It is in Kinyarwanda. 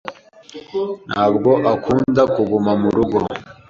ntabwo akunda kuguma murugo.